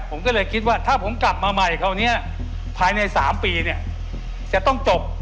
ผมก็เลยคิดว่าถ้าผมกลับมาใหม่คราวนี้ภายใน๓ปีเนี่ยจะต้องจบ